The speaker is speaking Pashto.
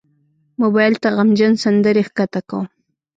موبایل ته غمجن سندرې ښکته کوم.